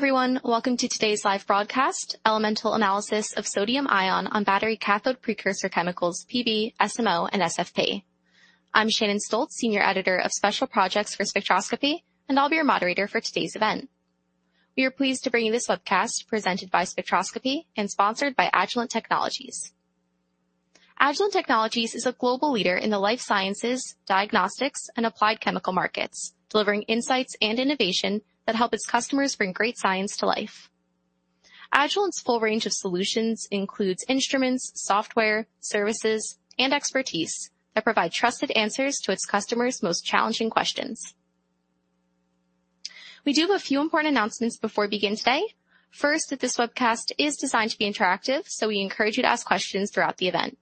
Hello, everyone. Welcome to today's live broadcast, Elemental Analysis of Sodium-Ion Battery Cathode Precursor Chemicals, PB, SMO, and SFP. I'm Shannon Stolz, Senior Editor of Special Projects for Spectroscopy, and I'll be your moderator for today's event. We are pleased to bring you this webcast presented by Spectroscopy and sponsored by Agilent Technologies. Agilent Technologies is a global leader in the life sciences, diagnostics, and applied chemical markets, delivering insights and innovation that help its customers bring great science to life. Agilent's full range of solutions includes instruments, software, services, and expertise that provide trusted answers to its customers' most challenging questions. We do have a few important announcements before we begin today. First, that this webcast is designed to be interactive, so we encourage you to ask questions throughout the event.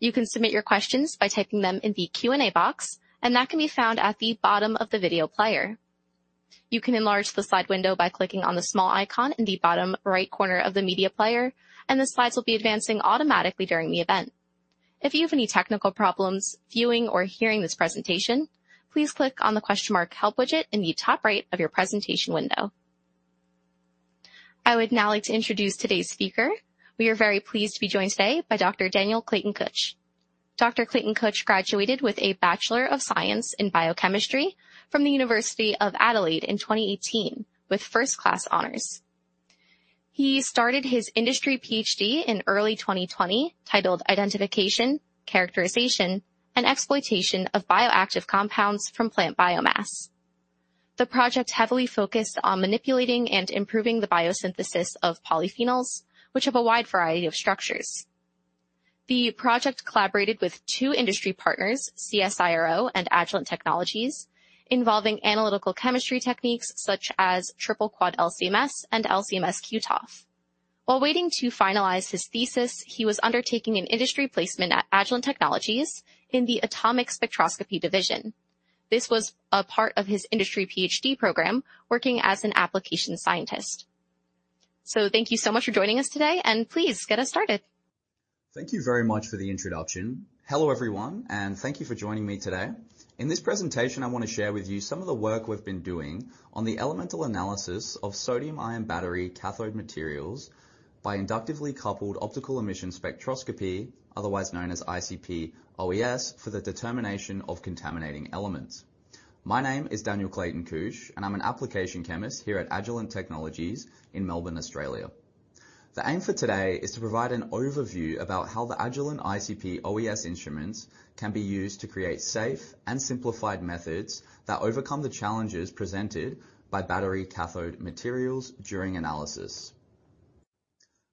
You can submit your questions by typing them in the Q&A box, and that can be found at the bottom of the video player. You can enlarge the slide window by clicking on the small icon in the bottom right corner of the media player, and the slides will be advancing automatically during the event. If you have any technical problems viewing or hearing this presentation, please click on the question mark Help widget in the top right of your presentation window. I would now like to introduce today's speaker. We are very pleased to be joined today by Dr. Daniel Clayton-Couch. Dr. Clayton-Couch graduated with a Bachelor of Science in Biochemistry from the University of Adelaide in 2018, with first-class honors. He started his industry PhD in early 2020, titled Identification, Characterization, and Exploitation of Bioactive Compounds from Plant Biomass. The project heavily focused on manipulating and improving the biosynthesis of polyphenols, which have a wide variety of structures. The project collaborated with two industry partners, CSIRO and Agilent Technologies, involving analytical chemistry techniques such as Triple Quad LC/MS and LC/MS Q-TOF. While waiting to finalize his thesis, he was undertaking an industry placement at Agilent Technologies in the Atomic Spectroscopy Division. This was a part of his industry PhD program, working as an application scientist. So thank you so much for joining us today, and please get us started. Thank you very much for the introduction. Hello, everyone, and thank you for joining me today. In this presentation, I want to share with you some of the work we've been doing on the elemental analysis of sodium-ion battery cathode materials by inductively coupled optical emission spectroscopy, otherwise known as ICP-OES, for the determination of contaminating elements. My name is Daniel Clayton-Couch, and I'm an application chemist here at Agilent Technologies in Melbourne, Australia. The aim for today is to provide an overview about how the Agilent ICP-OES instruments can be used to create safe and simplified methods that overcome the challenges presented by battery cathode materials during analysis.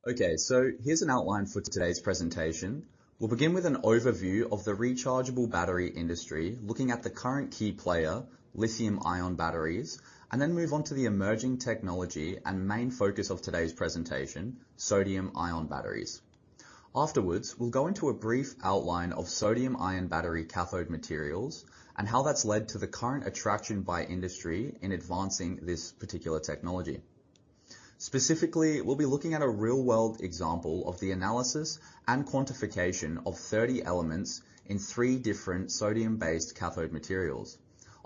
Okay, so here's an outline for today's presentation. We'll begin with an overview of the rechargeable battery industry, looking at the current key player, lithium-ion batteries, and then move on to the emerging technology and main focus of today's presentation, sodium-ion batteries. Afterwards, we'll go into a brief outline of sodium-ion battery cathode materials and how that's led to the current attraction by industry in advancing this particular technology. Specifically, we'll be looking at a real-world example of the analysis and quantification of 30 elements in three different sodium-based cathode materials.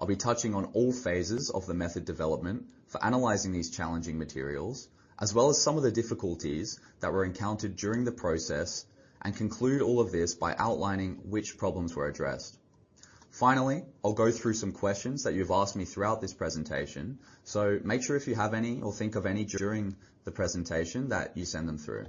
I'll be touching on all phases of the method development for analyzing these challenging materials, as well as some of the difficulties that were encountered during the process, and conclude all of this by outlining which problems were addressed. Finally, I'll go through some questions that you've asked me throughout this presentation, so make sure if you have any or think of any during the presentation, that you send them through.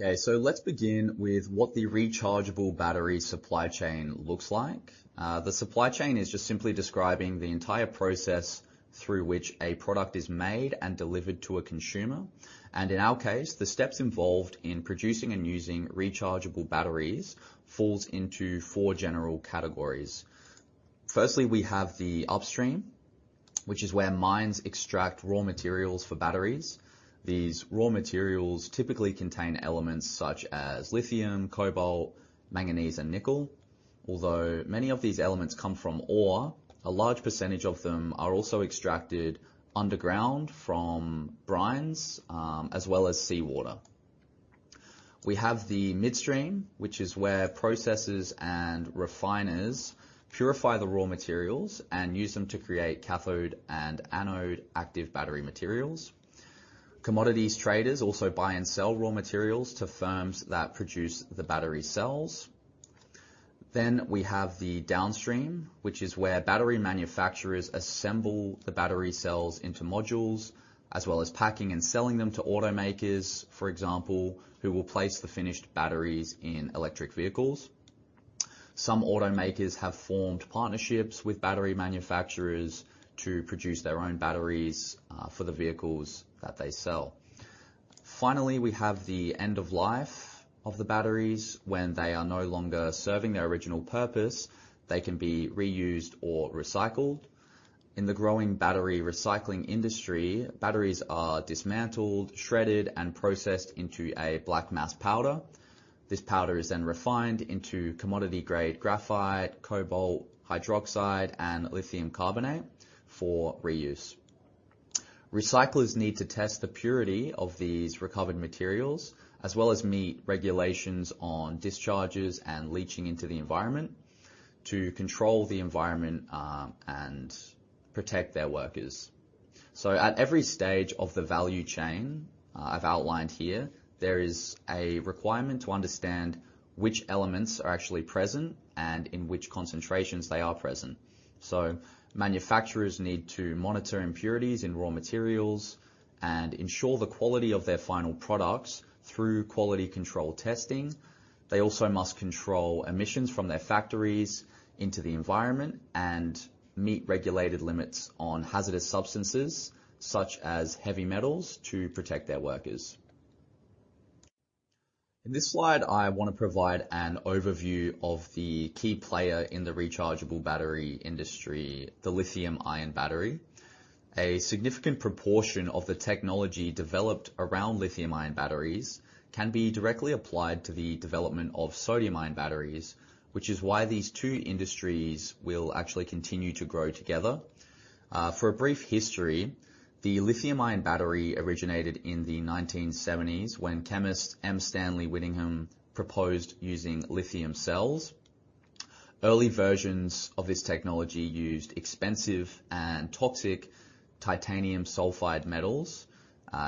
Okay, so let's begin with what the rechargeable battery supply chain looks like. The supply chain is just simply describing the entire process through which a product is made and delivered to a consumer. In our case, the steps involved in producing and using rechargeable batteries falls into four general categories. Firstly, we have the upstream, which is where mines extract raw materials for batteries. These raw materials typically contain elements such as lithium, cobalt, manganese, and nickel. Although many of these elements come from ore, a large percentage of them are also extracted underground from brines, as well as seawater. We have the midstream, which is where processors and refiners purify the raw materials and use them to create cathode and anode active battery materials. Commodities traders also buy and sell raw materials to firms that produce the battery cells. Then we have the downstream, which is where battery manufacturers assemble the battery cells into modules, as well as packing and selling them to automakers, for example, who will place the finished batteries in electric vehicles. Some automakers have formed partnerships with battery manufacturers to produce their own batteries, for the vehicles that they sell. Finally, we have the end of life of the batteries. When they are no longer serving their original purpose, they can be reused or recycled. In the growing battery recycling industry, batteries are dismantled, shredded, and processed into a black mass powder. This powder is then refined into commodity-grade graphite, cobalt hydroxide, and lithium carbonate for reuse. Recyclers need to test the purity of these recovered materials, as well as meet regulations on discharges and leaching into the environment to control the environment, and protect their workers. So at every stage of the value chain, I've outlined here, there is a requirement to understand which elements are actually present and in which concentrations they are present. So manufacturers need to monitor impurities in raw materials and ensure the quality of their final products through quality control testing. They also must control emissions from their factories into the environment and meet regulated limits on hazardous substances, such as heavy metals, to protect their workers. In this slide, I want to provide an overview of the key player in the rechargeable battery industry, the lithium-ion battery. A significant proportion of the technology developed around lithium-ion batteries can be directly applied to the development of sodium-ion batteries, which is why these two industries will actually continue to grow together. For a brief history, the lithium-ion battery originated in the 1970s, when chemist M. Stanley Whittingham proposed using lithium cells. Early versions of this technology used expensive and toxic titanium sulfide metals.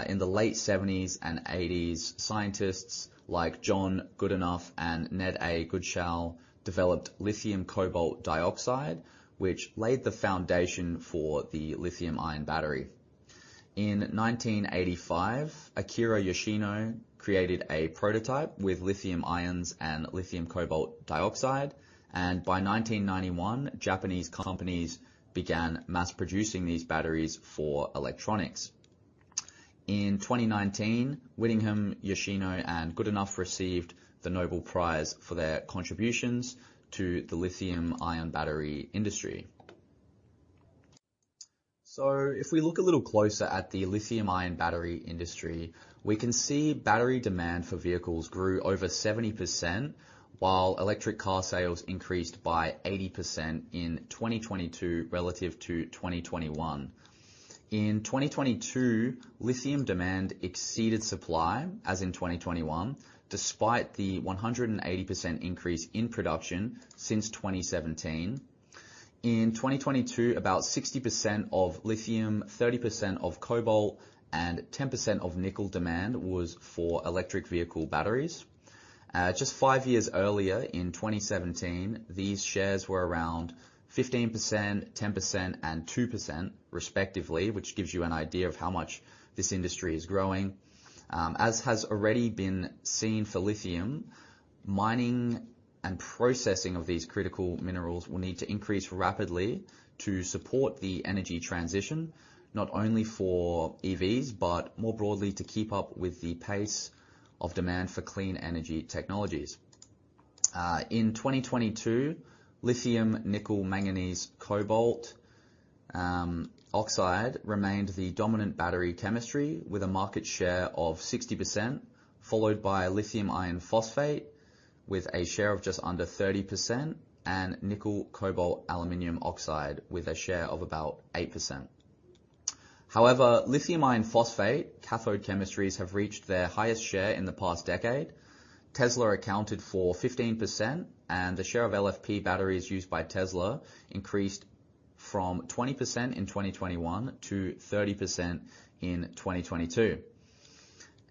In the late 1970s and 1980s, scientists like John Goodenough and Ned A. Godshall developed lithium cobalt dioxide, which laid the foundation for the lithium-ion battery. In 1985, Akira Yoshino created a prototype with lithium ions and lithium cobalt dioxide, and by 1991, Japanese companies began mass producing these batteries for electronics. In 2019, Whittingham, Yoshino, and Goodenough received the Nobel Prize for their contributions to the lithium-ion battery industry. So if we look a little closer at the lithium-ion battery industry, we can see battery demand for vehicles grew over 70%, while electric car sales increased by 80% in 2022 relative to 2021. In 2022, lithium demand exceeded supply, as in 2021, despite the 180% increase in production since 2017. In 2022, about 60% of lithium, 30% of cobalt, and 10% of nickel demand was for electric vehicle batteries. Just 5 years earlier, in 2017, these shares were around 15%, 10%, and 2% respectively, which gives you an idea of how much this industry is growing. As has already been seen for lithium, mining and processing of these critical minerals will need to increase rapidly to support the energy transition, not only for EVs, but more broadly, to keep up with the pace of demand for clean energy technologies. In 2022, Lithium Nickel Manganese Cobalt Oxide remained the dominant battery chemistry, with a market share of 60%, followed by Lithium Iron Phosphate, with a share of just under 30%, and Nickel Cobalt Aluminum Oxide, with a share of about 8%. However, Lithium Iron Phosphate cathode chemistries have reached their highest share in the past decade. Tesla accounted for 15%, and the share of LFP batteries used by Tesla increased from 20% in 2021 to 30% in 2022.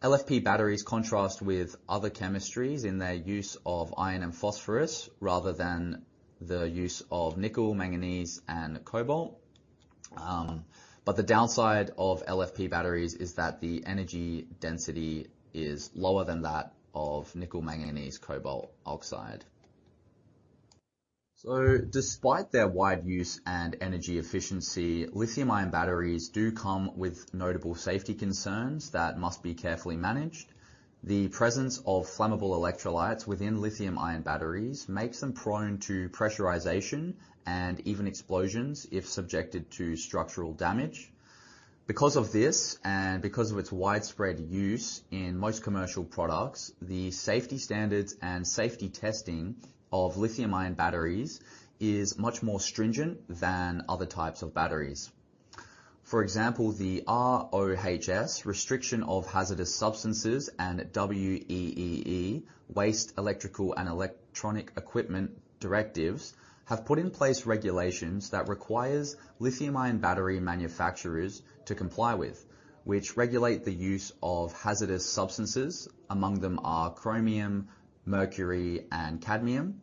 LFP batteries contrast with other chemistries in their use of iron and phosphorus, rather than the use of nickel, manganese, and cobalt. But the downside of LFP batteries is that the energy density is lower than that of nickel manganese cobalt oxide. So despite their wide use and energy efficiency, lithium-ion batteries do come with notable safety concerns that must be carefully managed. The presence of flammable electrolytes within lithium-ion batteries makes them prone to pressurization and even explosions if subjected to structural damage. Because of this, and because of its widespread use in most commercial products, the safety standards and safety testing of lithium-ion batteries is much more stringent than other types of batteries. For example, the RoHS, Restriction of Hazardous Substances, and WEEE, Waste Electrical and Electronic Equipment directives, have put in place regulations that requires lithium-ion battery manufacturers to comply with, which regulate the use of hazardous substances. Among them are chromium, mercury, and cadmium.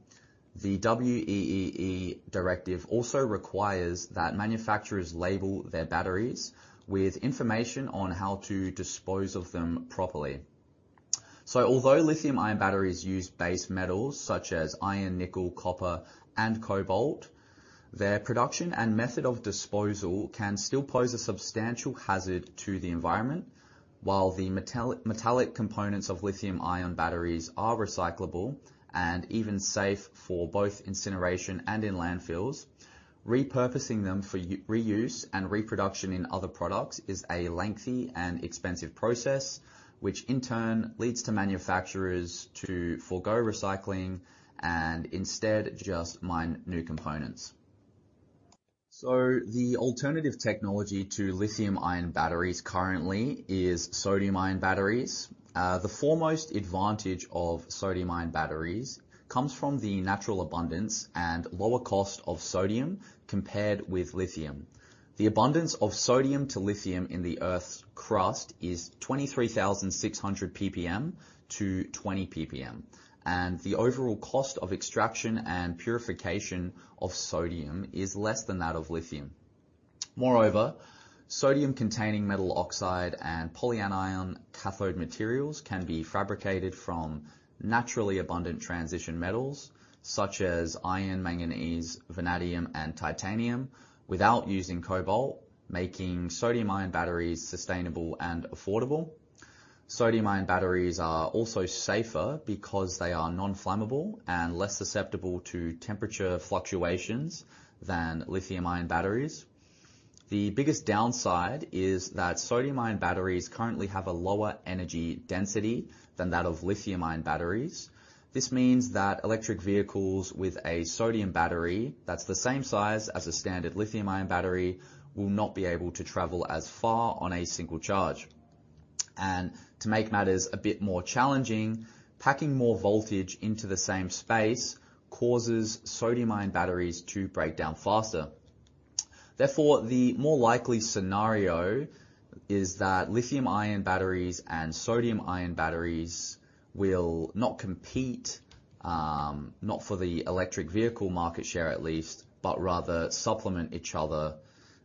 The WEEE directive also requires that manufacturers label their batteries with information on how to dispose of them properly. So although lithium-ion batteries use base metals such as iron, nickel, copper, and cobalt, their production and method of disposal can still pose a substantial hazard to the environment. While the metallic, metallic components of lithium-ion batteries are recyclable and even safe for both incineration and in landfills, repurposing them for reuse and reproduction in other products is a lengthy and expensive process, which in turn leads to manufacturers to forgo recycling and instead just mine new components. The alternative technology to lithium-ion batteries currently is sodium-ion batteries. The foremost advantage of sodium-ion batteries comes from the natural abundance and lower cost of sodium compared with lithium. The abundance of sodium to lithium in the earth's crust is 23,600 ppm to 20 ppm, and the overall cost of extraction and purification of sodium is less than that of lithium. Moreover, sodium-containing metal oxide and polyanion cathode materials can be fabricated from naturally abundant transition metals such as iron, manganese, vanadium, and titanium without using cobalt, making sodium-ion batteries sustainable and affordable. Sodium-ion batteries are also safer because they are non-flammable and less susceptible to temperature fluctuations than lithium-ion batteries. The biggest downside is that sodium-ion batteries currently have a lower energy density than that of lithium-ion batteries. This means that electric vehicles with a sodium battery that's the same size as a standard lithium-ion battery will not be able to travel as far on a single charge. And to make matters a bit more challenging, packing more voltage into the same space causes sodium-ion batteries to break down faster. Therefore, the more likely scenario is that lithium-ion batteries and sodium-ion batteries will not compete, not for the electric vehicle market share at least, but rather supplement each other.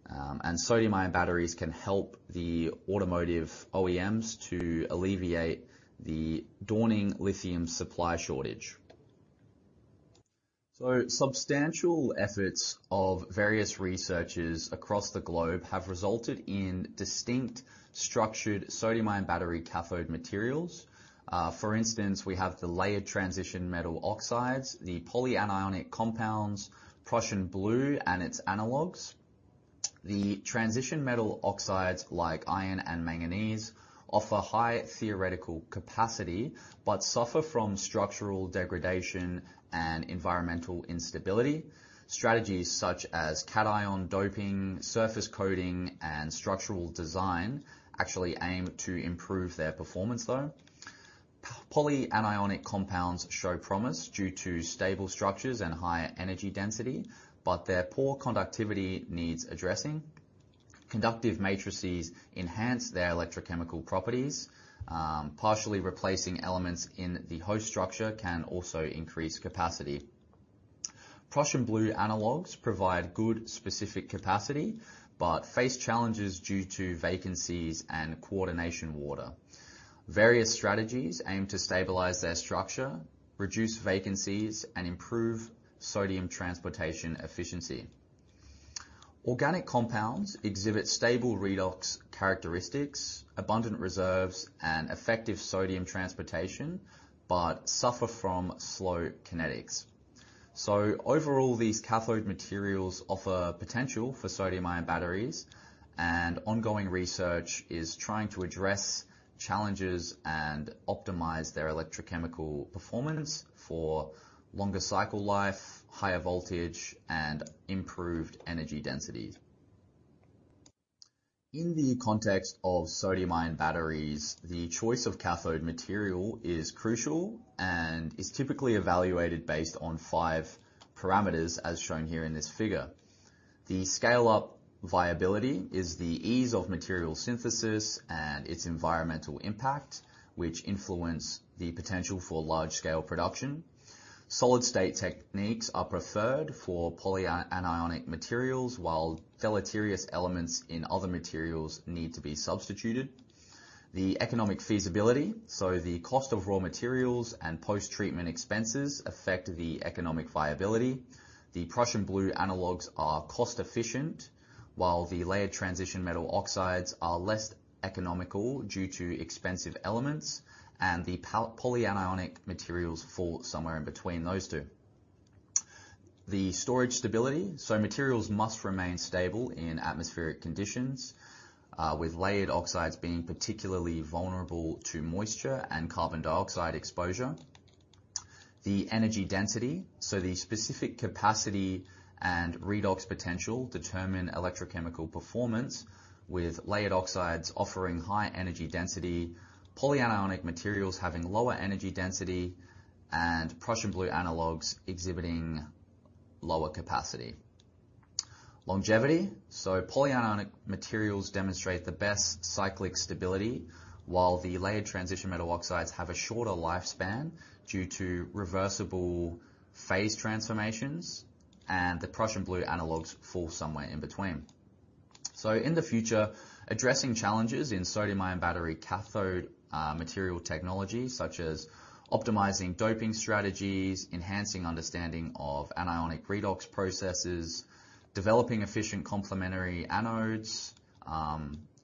And sodium-ion batteries can help the automotive OEMs to alleviate the dawning lithium supply shortage. So substantial efforts of various researchers across the globe have resulted in distinct structured sodium-ion battery cathode materials. For instance, we have the layered transition metal oxides, the polyanionic compounds, Prussian blue, and its analogs. The transition metal oxides, like iron and manganese, offer high theoretical capacity, but suffer from structural degradation and environmental instability. Strategies such as cation doping, surface coating, and structural design actually aim to improve their performance, though. Polyanionic compounds show promise due to stable structures and higher energy density, but their poor conductivity needs addressing. Conductive matrices enhance their electrochemical properties. Partially replacing elements in the host structure can also increase capacity. Prussian blue analogues provide good specific capacity, but face challenges due to vacancies and coordination water. Various strategies aim to stabilize their structure, reduce vacancies, and improve sodium transportation efficiency. Organic compounds exhibit stable redox characteristics, abundant reserves, and effective sodium transportation, but suffer from slow kinetics. Overall, these cathode materials offer potential for sodium-ion batteries, and ongoing research is trying to address challenges and optimize their electrochemical performance for longer cycle life, higher voltage, and improved energy density. In the context of sodium-ion batteries, the choice of cathode material is crucial and is typically evaluated based on five parameters, as shown here in this figure. The scale-up viability is the ease of material synthesis and its environmental impact, which influence the potential for large-scale production. Solid-state techniques are preferred for polyanionic materials, while deleterious elements in other materials need to be substituted. The economic feasibility, so the cost of raw materials and post-treatment expenses affect the economic viability. The Prussian blue analogues are cost-efficient, while the layered transition metal oxides are less economical due to expensive elements, and the polyanionic materials fall somewhere in between those two. The storage stability, so materials must remain stable in atmospheric conditions, with layered oxides being particularly vulnerable to moisture and carbon dioxide exposure. The energy density, so the specific capacity and redox potential determine electrochemical performance, with layered oxides offering high energy density, polyanionic materials having lower energy density, and Prussian blue analogues exhibiting lower capacity. Longevity, so polyanionic materials demonstrate the best cyclic stability, while the layered transition metal oxides have a shorter lifespan due to reversible phase transformations, and the Prussian blue analogues fall somewhere in between. So in the future, addressing challenges in sodium-ion battery cathode material technology, such as optimizing doping strategies, enhancing understanding of anionic redox processes, developing efficient complementary anodes,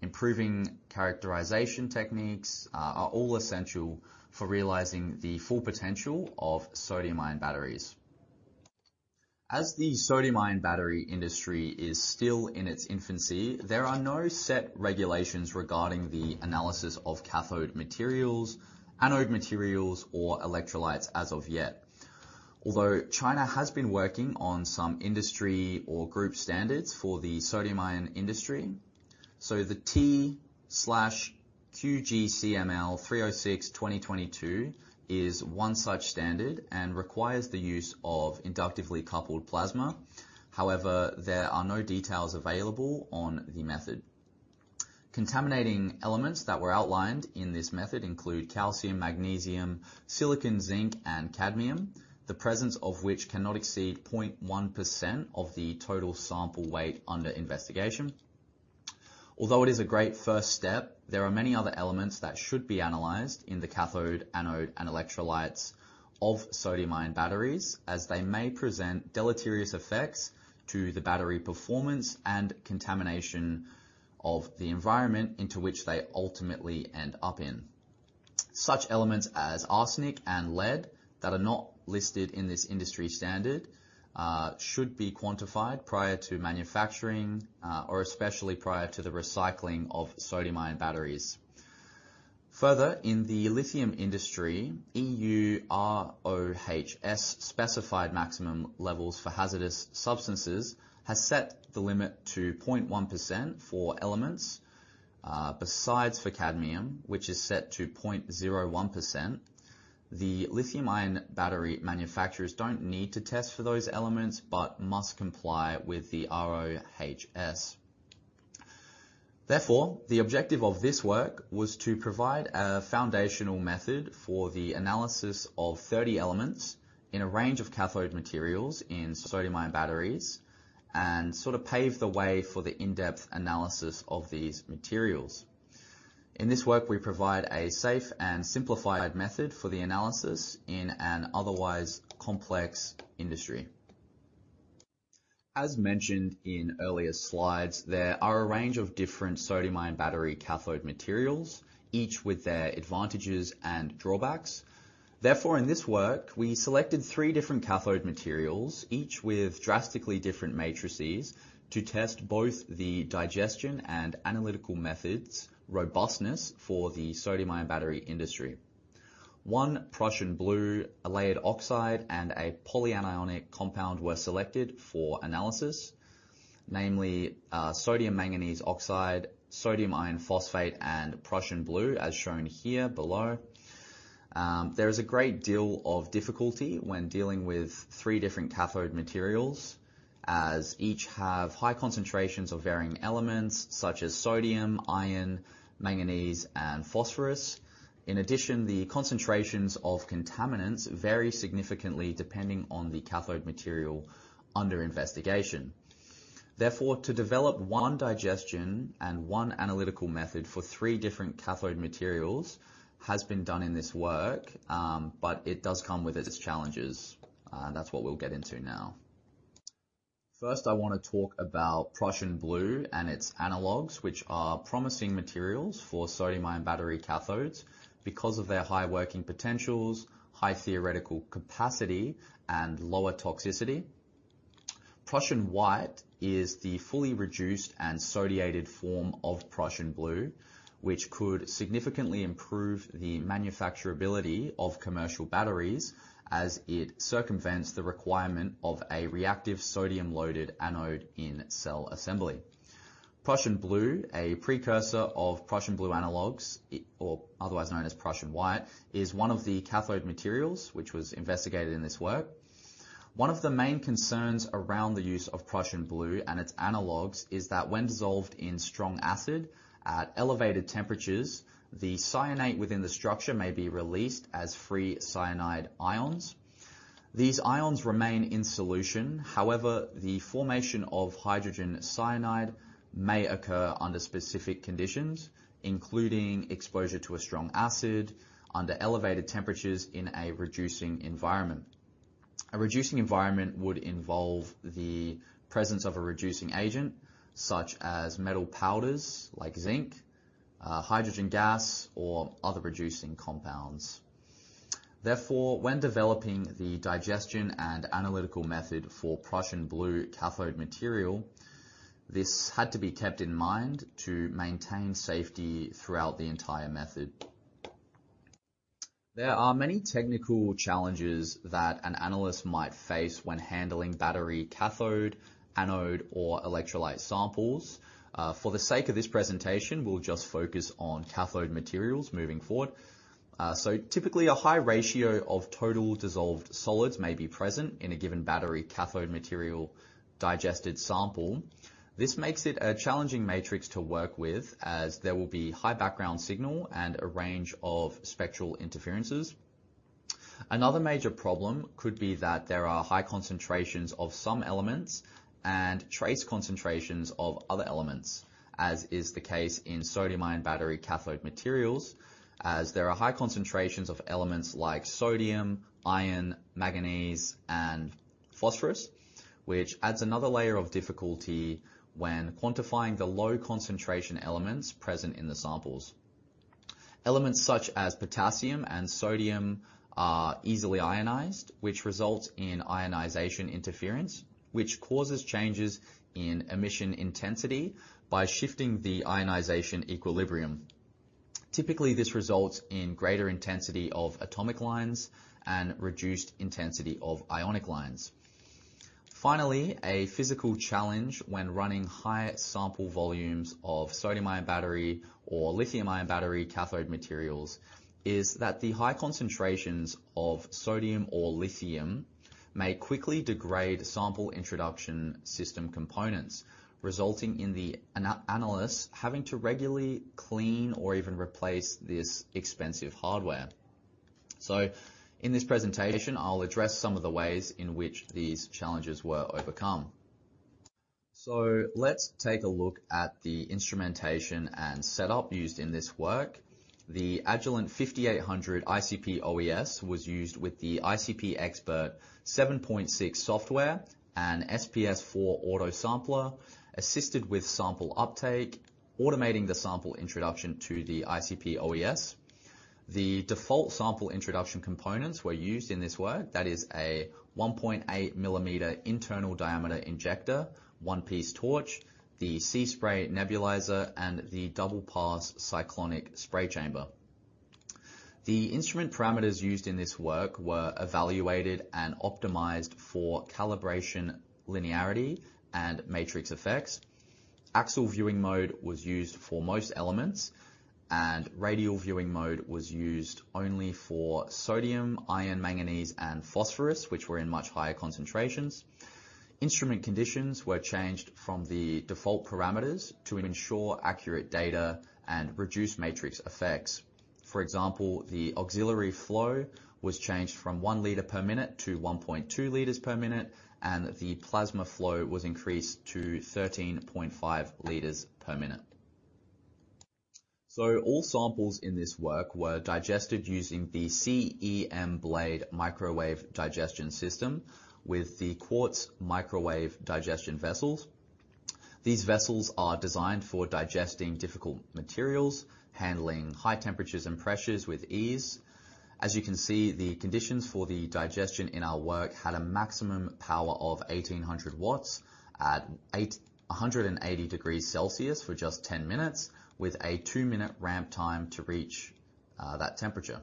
improving characterization techniques, are all essential for realizing the full potential of sodium-ion batteries. As the sodium-ion battery industry is still in its infancy, there are no set regulations regarding the analysis of cathode materials, anode materials, or electrolytes as of yet. Although China has been working on some industry or group standards for the sodium-ion industry, so the T/QGCML 306-2022 is one such standard and requires the use of inductively coupled plasma. However, there are no details available on the method. Contaminating elements that were outlined in this method include calcium, magnesium, silicon, zinc, and cadmium, the presence of which cannot exceed 0.1% of the total sample weight under investigation. Although it is a great first step, there are many other elements that should be analyzed in the cathode, anode, and electrolytes of sodium-ion batteries, as they may present deleterious effects to the battery performance and contamination of the environment into which they ultimately end up in. Such elements as arsenic and lead that are not listed in this industry standard, should be quantified prior to manufacturing, or especially prior to the recycling of sodium-ion batteries. Further, in the lithium industry, EU RoHS specified maximum levels for hazardous substances, has set the limit to 0.1% for elements, besides for cadmium, which is set to 0.01%. The lithium-ion battery manufacturers don't need to test for those elements, but must comply with the RoHS. Therefore, the objective of this work was to provide a foundational method for the analysis of 30 elements in a range of cathode materials in sodium-ion batteries, and sort of pave the way for the in-depth analysis of these materials. In this work, we provide a safe and simplified method for the analysis in an otherwise complex industry. As mentioned in earlier slides, there are a range of different sodium-ion battery cathode materials, each with their advantages and drawbacks. Therefore, in this work, we selected three different cathode materials, each with drastically different matrices, to test both the digestion and analytical method's robustness for the sodium-ion battery industry. One Prussian blue, a layered oxide, and a polyanionic compound were selected for analysis, namely, Sodium Manganese Oxide, Sodium Iron Phosphate, and Prussian blue, as shown here below. There is a great deal of difficulty when dealing with three different cathode materials, as each have high concentrations of varying elements, such as sodium, iron, manganese, and phosphorus. In addition, the concentrations of contaminants vary significantly depending on the cathode material under investigation. Therefore, to develop one digestion and one analytical method for three different cathode materials has been done in this work, but it does come with its challenges, and that's what we'll get into now. First, I want to talk about Prussian blue and its analogues, which are promising materials for sodium-ion battery cathodes because of their high working potentials, high theoretical capacity, and lower toxicity. Prussian White is the fully reduced and sodiated form of Prussian blue, which could significantly improve the manufacturability of commercial batteries as it circumvents the requirement of a reactive sodium-loaded anode in cell assembly. Prussian blue, a precursor of Prussian blue analogues, or otherwise known as Prussian White, is one of the cathode materials which was investigated in this work. One of the main concerns around the use of Prussian blue and its analogs is that when dissolved in strong acid at elevated temperatures, the cyanate within the structure may be released as free cyanide ions. These ions remain in solution. However, the formation of hydrogen cyanide may occur under specific conditions, including exposure to a strong acid under elevated temperatures in a reducing environment. A reducing environment would involve the presence of a reducing agent, such as metal powders, like zinc, hydrogen gas, or other reducing compounds. Therefore, when developing the digestion and analytical method for Prussian blue cathode material, this had to be kept in mind to maintain safety throughout the entire method. There are many technical challenges that an analyst might face when handling battery cathode, anode, or electrolyte samples. For the sake of this presentation, we'll just focus on cathode materials moving forward. So typically, a high ratio of total dissolved solids may be present in a given battery cathode material digested sample. This makes it a challenging matrix to work with, as there will be high background signal and a range of spectral interferences. Another major problem could be that there are high concentrations of some elements and trace concentrations of other elements, as is the case in sodium-ion battery cathode materials, as there are high concentrations of elements like sodium, iron, manganese, and phosphorus, which adds another layer of difficulty when quantifying the low concentration elements present in the samples. Elements such as potassium and sodium are easily ionized, which results in ionization interference, which causes changes in emission intensity by shifting the ionization equilibrium. Typically, this results in greater intensity of atomic lines and reduced intensity of ionic lines. Finally, a physical challenge when running higher sample volumes of sodium-ion battery or lithium-ion battery cathode materials is that the high concentrations of sodium or lithium may quickly degrade sample introduction system components, resulting in the analysts having to regularly clean or even replace this expensive hardware. So in this presentation, I'll address some of the ways in which these challenges were overcome. So let's take a look at the instrumentation and setup used in this work. The Agilent 5800 ICP-OES was used with the ICP Expert 7.6 software and SPS 4 autosampler, assisted with sample uptake, automating the sample introduction to the ICP-OES. The default sample introduction components were used in this work. That is a 1.8 mm internal diameter injector, one-piece torch, the Seaspray nebulizer, and the double-pass cyclonic spray chamber. The instrument parameters used in this work were evaluated and optimized for calibration, linearity, and matrix effects. Axial viewing mode was used for most elements, and radial viewing mode was used only for sodium, iron, manganese, and phosphorus, which were in much higher concentrations. Instrument conditions were changed from the default parameters to ensure accurate data and reduce matrix effects. For example, the auxiliary flow was changed from 1 liter per minute to 1.2 liters per minute, and the plasma flow was increased to 13.5 liters per minute. All samples in this work were digested using the CEM BLADE Microwave Digestion System with the quartz microwave digestion vessels. These vessels are designed for digesting difficult materials, handling high temperatures and pressures with ease. As you can see, the conditions for the digestion in our work had a maximum power of 1800 W at 180 degrees Celsius for just 10 minutes, with a 2-minute ramp time to reach that temperature.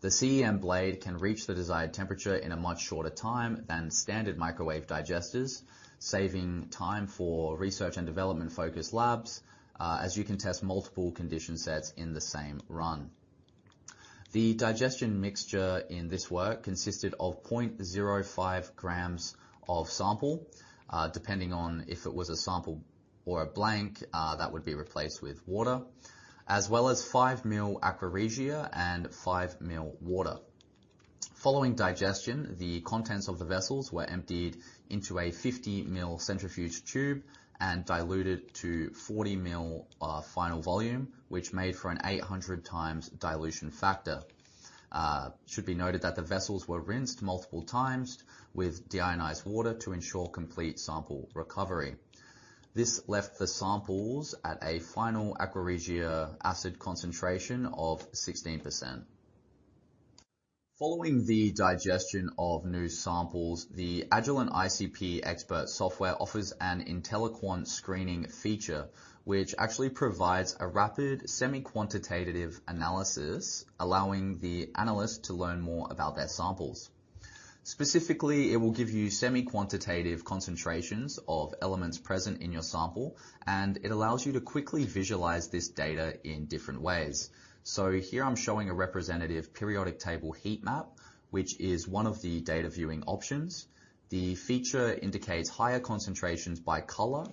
The CEM BLADE can reach the desired temperature in a much shorter time than standard microwave digesters, saving time for research and development-focused labs, as you can test multiple condition sets in the same run. The digestion mixture in this work consisted of 0.05 grams of sample. Depending on if it was a sample or a blank, that would be replaced with water, as well as 5 mL aqua regia and 5 mL water. Following digestion, the contents of the vessels were emptied into a 50 mL centrifuge tube and diluted to 40 mL final volume, which made for an 800× dilution factor. It should be noted that the vessels were rinsed multiple times with deionized water to ensure complete sample recovery. This left the samples at a final Aqua Regia acid concentration of 16%. Following the digestion of new samples, the Agilent ICP Expert software offers an IntelliQuant screening feature, which actually provides a rapid semi-quantitative analysis, allowing the analyst to learn more about their samples. Specifically, it will give you semi-quantitative concentrations of elements present in your sample, and it allows you to quickly visualize this data in different ways. So here I'm showing a representative periodic table heat map, which is one of the data viewing options. The feature indicates higher concentrations by color.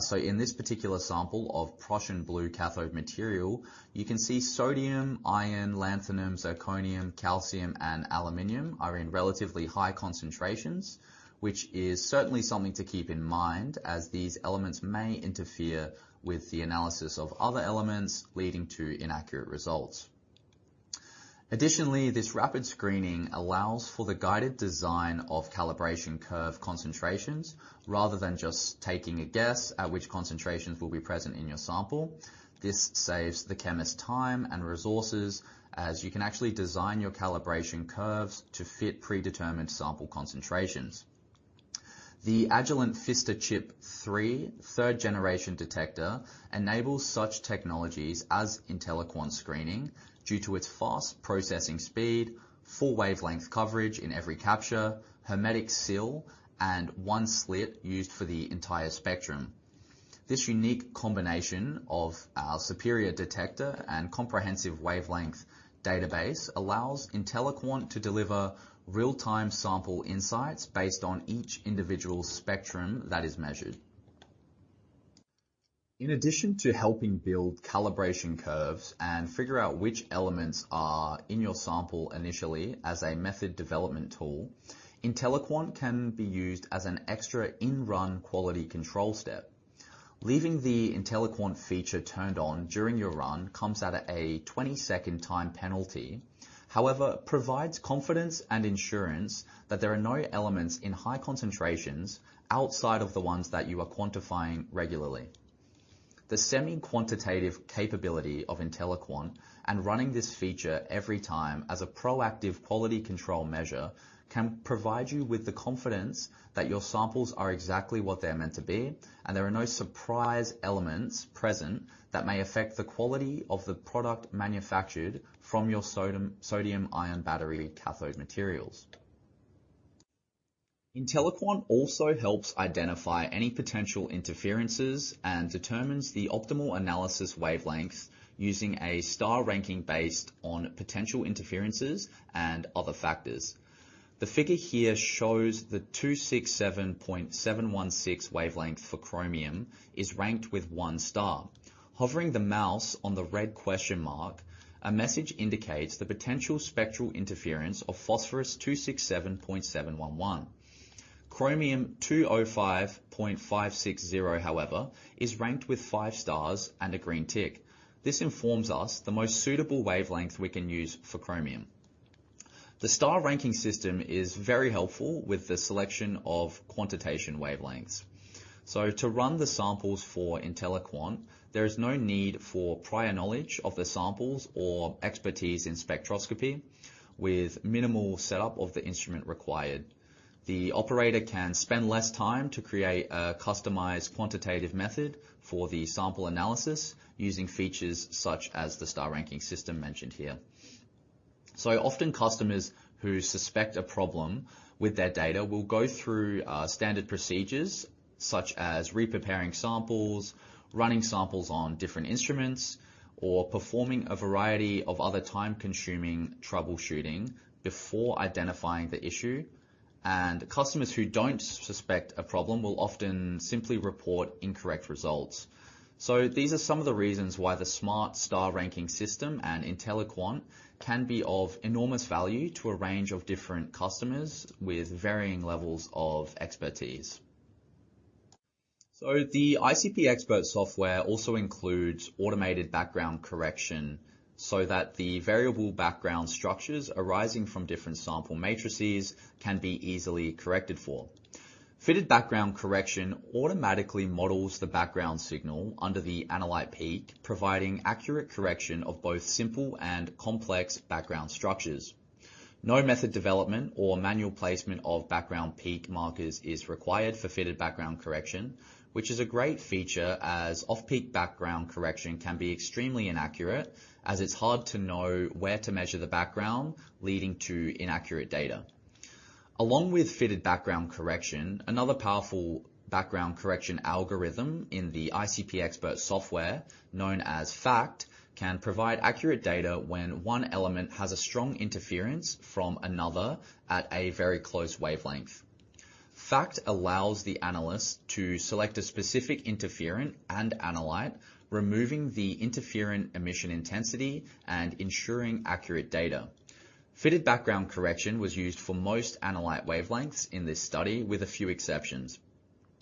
So in this particular sample of Prussian blue cathode material, you can see sodium, iron, lanthanum, zirconium, calcium, and aluminum are in relatively high concentrations, which is certainly something to keep in mind, as these elements may interfere with the analysis of other elements, leading to inaccurate results. Additionally, this rapid screening allows for the guided design of calibration curve concentrations, rather than just taking a guess at which concentrations will be present in your sample. This saves the chemist time and resources as you can actually design your calibration curves to fit predetermined sample concentrations. The Agilent VistaChip III third generation detector enables such technologies as IntelliQuant screening due to its fast processing speed, full wavelength coverage in every capture, hermetic seal, and one slit used for the entire spectrum. This unique combination of our superior detector and comprehensive wavelength database allows IntelliQuant to deliver real-time sample insights based on each individual's spectrum that is measured. In addition to helping build calibration curves and figure out which elements are in your sample initially as a method development tool, IntelliQuant can be used as an extra in-run quality control step. Leaving the IntelliQuant feature turned on during your run comes at a 20-second time penalty, however, provides confidence and assurance that there are no elements in high concentrations outside of the ones that you are quantifying regularly. The semi-quantitative capability of IntelliQuant and running this feature every time as a proactive quality control measure can provide you with the confidence that your samples are exactly what they're meant to be, and there are no surprise elements present that may affect the quality of the product manufactured from your sodium, sodium ion battery cathode materials. IntelliQuant also helps identify any potential interferences and determines the optimal analysis wavelength using a star ranking based on potential interferences and other factors. The figure here shows the 267.716 wavelength for chromium is ranked with one star. Hovering the mouse on the red question mark, a message indicates the potential spectral interference of phosphorus 267.711. Chromium 205.560, however, is ranked with five stars and a green tick. This informs us the most suitable wavelength we can use for chromium. The star ranking system is very helpful with the selection of quantitation wavelengths. So to run the samples for IntelliQuant, there is no need for prior knowledge of the samples or expertise in spectroscopy. With minimal setup of the instrument required, the operator can spend less time to create a customized quantitative method for the sample analysis using features such as the star ranking system mentioned here. So often, customers who suspect a problem with their data will go through standard procedures, such as re-preparing samples, running samples on different instruments, or performing a variety of other time-consuming troubleshooting before identifying the issue. And customers who don't suspect a problem will often simply report incorrect results. So these are some of the reasons why the smart star ranking system and IntelliQuant can be of enormous value to a range of different customers with varying levels of expertise. So the ICP Expert software also includes automated background correction, so that the variable background structures arising from different sample matrices can be easily corrected for. Fitted background correction automatically models the background signal under the analyte peak, providing accurate correction of both simple and complex background structures. No method development or manual placement of background peak markers is required for fitted background correction, which is a great feature, as off-peak background correction can be extremely inaccurate, as it's hard to know where to measure the background, leading to inaccurate data. Along with fitted background correction, another powerful background correction algorithm in the ICP Expert software, known as FACT, can provide accurate data when one element has a strong interference from another at a very close wavelength. FACT allows the analyst to select a specific interferent and analyte, removing the interferent emission intensity and ensuring accurate data. Fitted background correction was used for most analyte wavelengths in this study, with a few exceptions.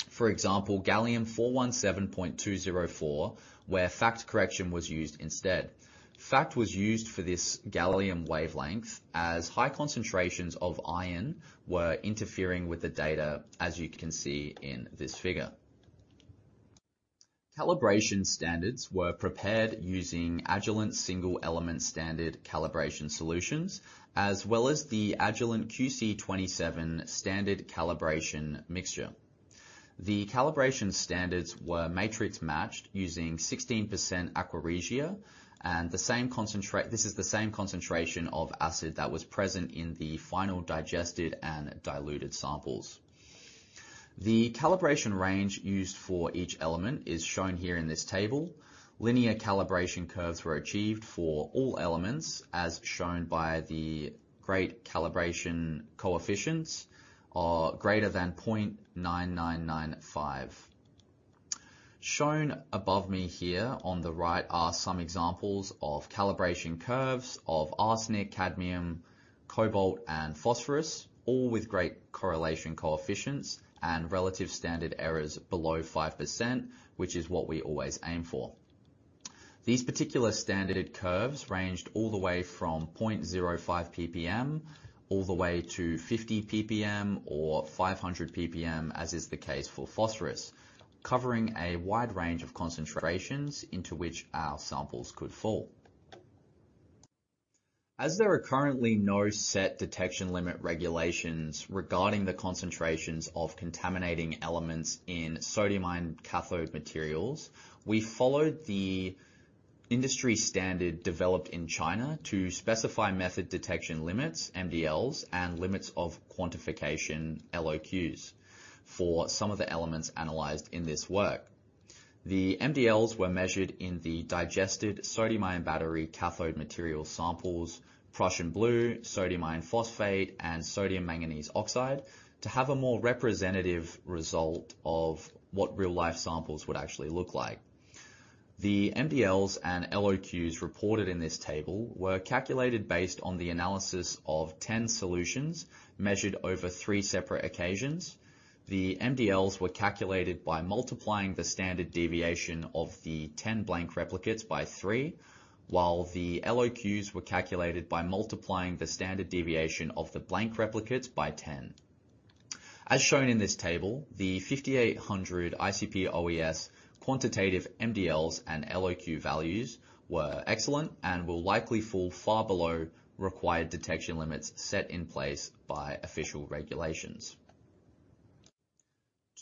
For example, gallium 417.204, where FACT correction was used instead. FACT was used for this gallium wavelength as high concentrations of iron were interfering with the data, as you can see in this figure. Calibration standards were prepared using Agilent single element standard calibration solutions, as well as the Agilent QC 27 standard calibration mixture. The calibration standards were matrix-matched using 16% aqua regia and the same concentrate-- this is the same concentration of acid that was present in the final digested and diluted samples. The calibration range used for each element is shown here in this table. Linear calibration curves were achieved for all elements, as shown by the great calibration coefficients are greater than 0.9995. Shown above me here on the right are some examples of calibration curves of arsenic, cadmium, cobalt, and phosphorus, all with great correlation coefficients and relative standard errors below 5%, which is what we always aim for. These particular standard curves ranged all the way from 0.05 ppm, all the way to 50 ppm or 500 ppm, as is the case for phosphorus, covering a wide range of concentrations into which our samples could fall. As there are currently no set detection limit regulations regarding the concentrations of contaminating elements in sodium ion cathode materials, we followed the industry standard developed in China to specify method detection limits, MDLs, and limits of quantification, LOQs, for some of the elements analyzed in this work. The MDLs were measured in the digested sodium ion battery cathode material samples, Prussian blue, sodium iron phosphate, and sodium manganese oxide, to have a more representative result of what real-life samples would actually look like. The MDLs and LOQs reported in this table were calculated based on the analysis of 10 solutions measured over three separate occasions. The MDLs were calculated by multiplying the standard deviation of the 10 blank replicates by 3, while the LOQs were calculated by multiplying the standard deviation of the blank replicates by 10. As shown in this table, the 5800 ICP-OES quantitative MDLs and LOQ values were excellent and will likely fall far below required detection limits set in place by official regulations.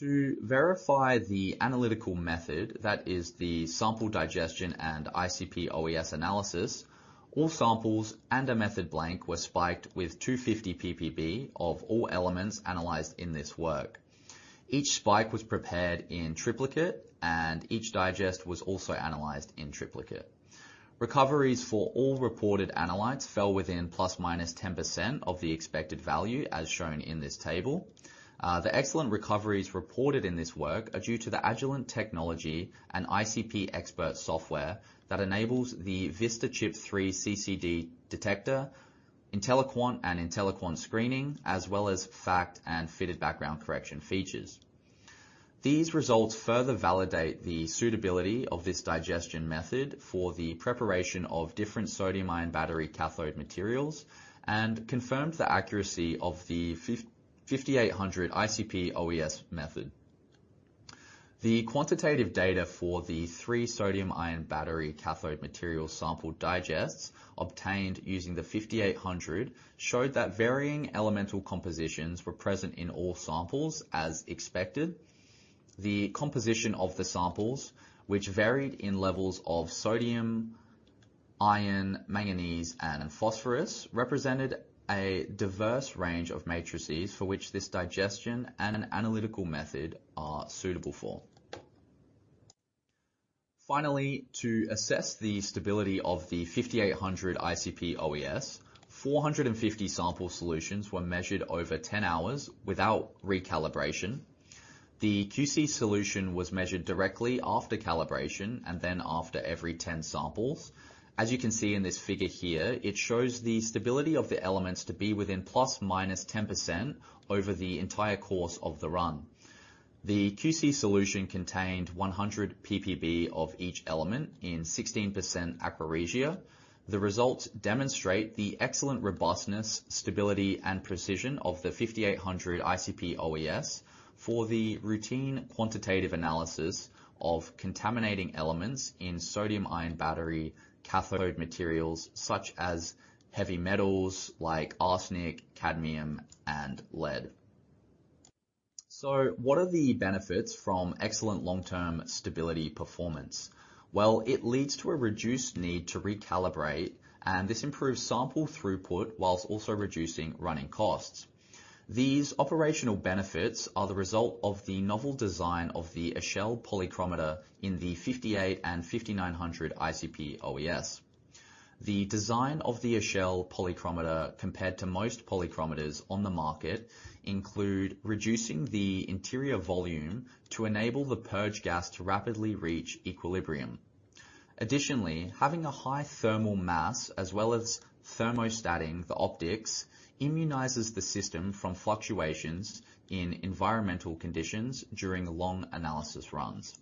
To verify the analytical method, that is the sample digestion and ICP-OES analysis, all samples and a method blank were spiked with 250 ppb of all elements analyzed in this work. Each spike was prepared in triplicate, and each digest was also analyzed in triplicate. Recoveries for all reported analytes fell within ±10% of the expected value, as shown in this table. The excellent recoveries reported in this work are due to the Agilent technology and ICP Expert software that enables the VistaChip III CCD detector, IntelliQuant and IntelliQuant Screening, as well as FACT and Fitted Background Correction features. These results further validate the suitability of this digestion method for the preparation of different sodium-ion battery cathode materials and confirms the accuracy of the 5800 ICP-OES method. The quantitative data for the three sodium-ion battery cathode material sample digests obtained using the 5800 showed that varying elemental compositions were present in all samples, as expected. The composition of the samples, which varied in levels of sodium, iron, manganese, and phosphorus, represented a diverse range of matrices for which this digestion and analytical method are suitable for. Finally, to assess the stability of the 5800 ICP-OES, 450 sample solutions were measured over 10 hours without recalibration. The QC solution was measured directly after calibration and then after every 10 samples. As you can see in this figure here, it shows the stability of the elements to be within ±10% over the entire course of the run. The QC solution contained 100 ppb of each element in 16% aqua regia. The results demonstrate the excellent robustness, stability, and precision of the 5800 ICP-OES for the routine quantitative analysis of contaminating elements in sodium-ion battery cathode materials, such as heavy metals like arsenic, cadmium, and lead. What are the benefits from excellent long-term stability performance? Well, it leads to a reduced need to recalibrate, and this improves sample throughput while also reducing running costs. These operational benefits are the result of the novel design of the echelle polychromator in the 5800 and 5900 ICP-OES. The design of the echelle polychromator, compared to most polychromators on the market, include reducing the interior volume to enable the purge gas to rapidly reach equilibrium. Additionally, having a high thermal mass as well as thermostating the optics immunizes the system from fluctuations in environmental conditions during long analysis runs.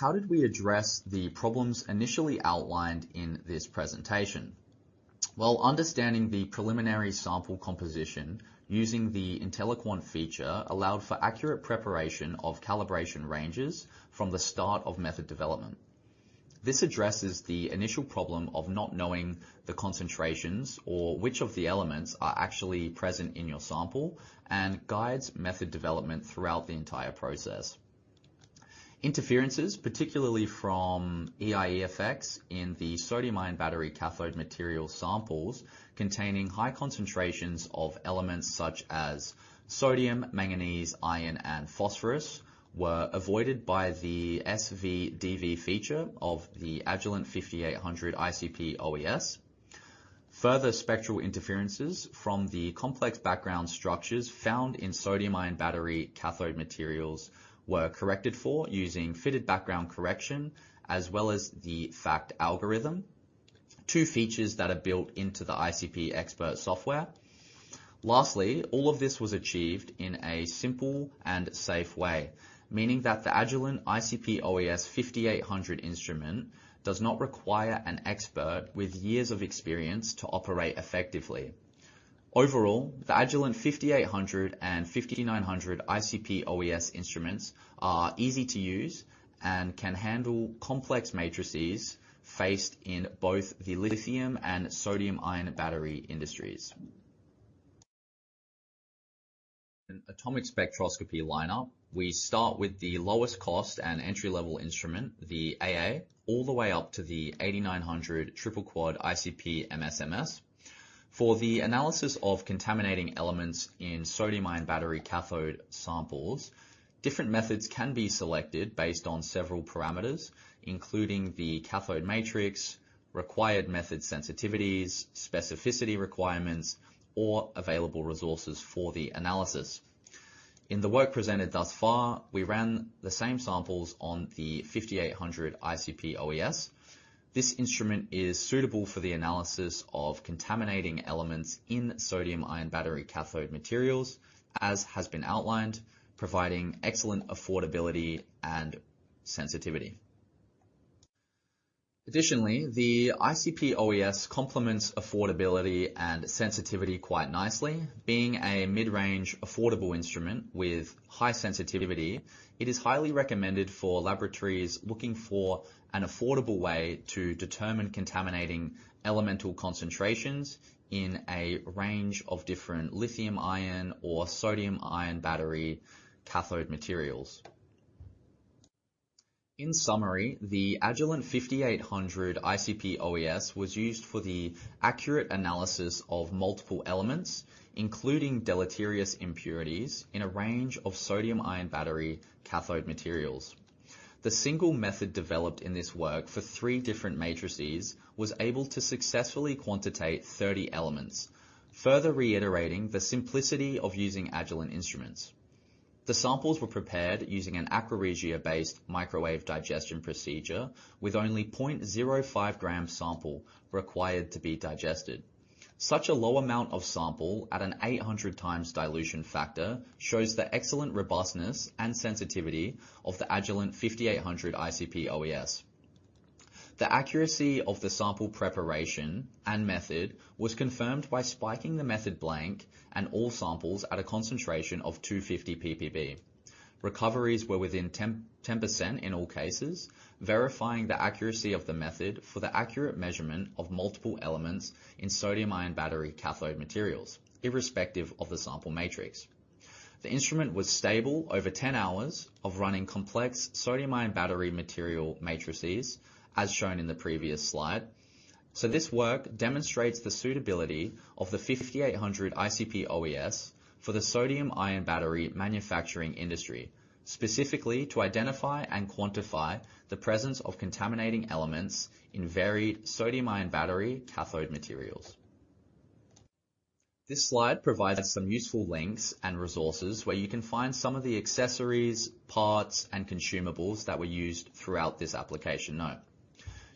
How did we address the problems initially outlined in this presentation? Well, understanding the preliminary sample composition using the IntelliQuant feature allowed for accurate preparation of calibration ranges from the start of method development. This addresses the initial problem of not knowing the concentrations or which of the elements are actually present in your sample and guides method development throughout the entire process. Interferences, particularly from EIE effects in the sodium-ion battery cathode material samples containing high concentrations of elements such as sodium, manganese, iron, and phosphorus, were avoided by the SVDV feature of the Agilent 5800 ICP-OES. Further spectral interferences from the complex background structures found in sodium-ion battery cathode materials were corrected for using fitted background correction, as well as the FACT algorithm, two features that are built into the ICP Expert software. Lastly, all of this was achieved in a simple and safe way, meaning that the Agilent ICP-OES 5800 instrument does not require an expert with years of experience to operate effectively. Overall, the Agilent 5800 and 5900 ICP-OES instruments are easy to use and can handle complex matrices faced in both the lithium and sodium-ion battery industries. An atomic spectroscopy lineup, we start with the lowest cost and entry-level instrument, the AA, all the way up to the 8900 triple quad ICP-MS/MS. For the analysis of contaminating elements in sodium-ion battery cathode samples, different methods can be selected based on several parameters, including the cathode matrix, required method sensitivities, specificity requirements, or available resources for the analysis. In the work presented thus far, we ran the same samples on the 5800 ICP-OES. This instrument is suitable for the analysis of contaminating elements in sodium-ion battery cathode materials, as has been outlined, providing excellent affordability and sensitivity. Additionally, the ICP-OES complements affordability and sensitivity quite nicely. Being a mid-range, affordable instrument with high sensitivity, it is highly recommended for laboratories looking for an affordable way to determine contaminating elemental concentrations in a range of different lithium-ion or sodium-ion battery cathode materials. In summary, the Agilent 5800 ICP-OES was used for the accurate analysis of multiple elements, including deleterious impurities, in a range of sodium-ion battery cathode materials. The single method developed in this work for three different matrices was able to successfully quantitate 30 elements, further reiterating the simplicity of using Agilent instruments. The samples were prepared using an Aqua Regia-based microwave digestion procedure, with only 0.05 g sample required to be digested. Such a low amount of sample at an 800x dilution factor shows the excellent robustness and sensitivity of the Agilent 5800 ICP-OES. The accuracy of the sample preparation and method was confirmed by spiking the method blank and all samples at a concentration of 250 ppb. Recoveries were within 10, 10% in all cases, verifying the accuracy of the method for the accurate measurement of multiple elements in sodium-ion battery cathode materials, irrespective of the sample matrix. The instrument was stable over 10 hours of running complex sodium-ion battery material matrices, as shown in the previous slide. This work demonstrates the suitability of the 5800 ICP-OES for the sodium-ion battery manufacturing industry, specifically to identify and quantify the presence of contaminating elements in varied sodium-ion battery cathode materials. This slide provides some useful links and resources where you can find some of the accessories, parts, and consumables that were used throughout this application note.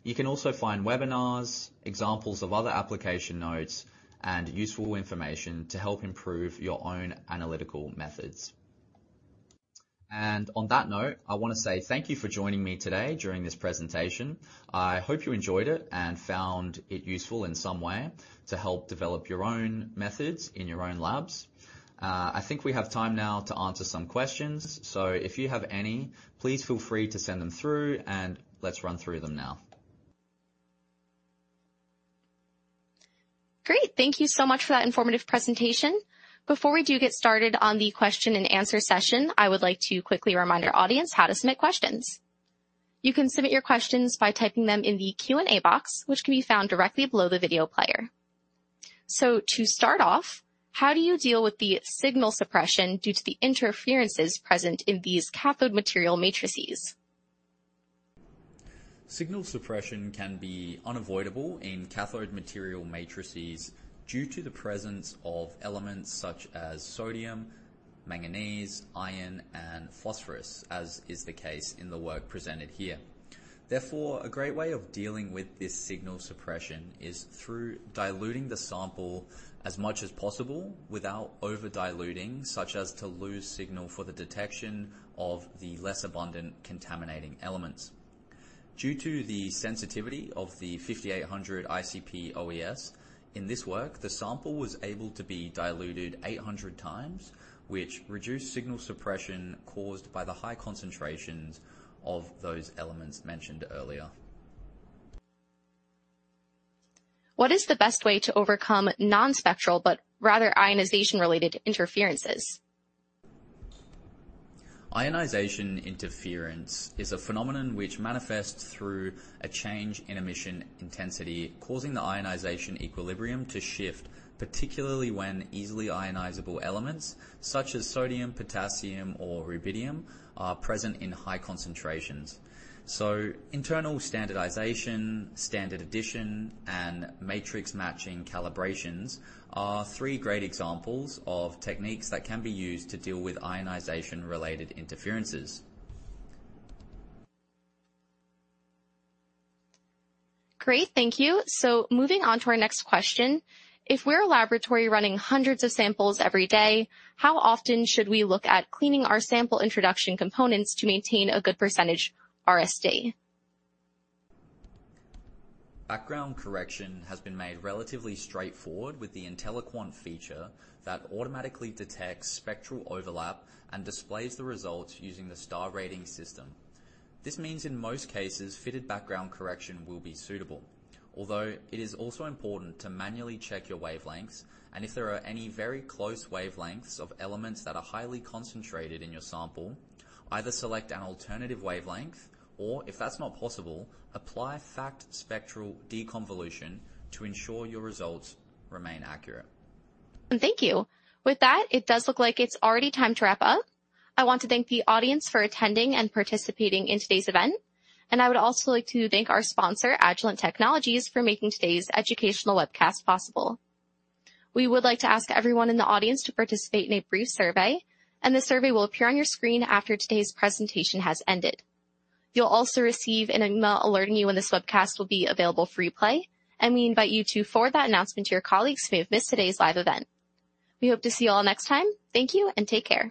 You can also find webinars, examples of other application notes, and useful information to help improve your own analytical methods. And on that note, I want to say thank you for joining me today during this presentation. I hope you enjoyed it and found it useful in some way to help develop your own methods in your own labs. I think we have time now to answer some questions. So if you have any, please feel free to send them through, and let's run through them now. Great, thank you so much for that informative presentation. Before we do get started on the question and answer session, I would like to quickly remind our audience how to submit questions. You can submit your questions by typing them in the Q&A box, which can be found directly below the video player. So to start off, how do you deal with the signal suppression due to the interferences present in these cathode material matrices? Signal suppression can be unavoidable in cathode material matrices due to the presence of elements such as sodium, manganese, iron, and phosphorus, as is the case in the work presented here. Therefore, a great way of dealing with this signal suppression is through diluting the sample as much as possible without over-diluting, such as to lose signal for the detection of the less abundant contaminating elements. Due to the sensitivity of the 5800 ICP-OES in this work, the sample was able to be diluted 800x, which reduced signal suppression caused by the high concentrations of those elements mentioned earlier. What is the best way to overcome non-spectral, but rather ionization-related interferences? Ionization interference is a phenomenon which manifests through a change in emission intensity, causing the ionization equilibrium to shift, particularly when easily ionizable elements such as sodium, potassium, or rubidium are present in high concentrations. So internal standardization, standard addition, and matrix matching calibrations are three great examples of techniques that can be used to deal with ionization-related interferences. Great, thank you. So moving on to our next question: If we're a laboratory running hundreds of samples every day, how often should we look at cleaning our sample introduction components to maintain a good percentage RSD? Background correction has been made relatively straightforward with the IntelliQuant feature that automatically detects spectral overlap and displays the results using the star rating system. This means in most cases, fitted background correction will be suitable. Although, it is also important to manually check your wavelengths, and if there are any very close wavelengths of elements that are highly concentrated in your sample, either select an alternative wavelength or, if that's not possible, apply FACT spectral deconvolution to ensure your results remain accurate. Thank you. With that, it does look like it's already time to wrap up. I want to thank the audience for attending and participating in today's event, and I would also like to thank our sponsor, Agilent Technologies, for making today's educational webcast possible. We would like to ask everyone in the audience to participate in a brief survey, and the survey will appear on your screen after today's presentation has ended. You'll also receive an email alerting you when this webcast will be available for replay, and we invite you to forward that announcement to your colleagues who may have missed today's live event. We hope to see you all next time. Thank you and take care.